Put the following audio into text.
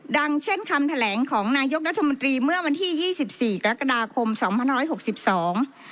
ดังเช่นคำแถลงของนายกรัฐมนตรีเมื่อวันที่ยี่สิบสี่กรกฎาคมสองพันร้อยหกสิบสอง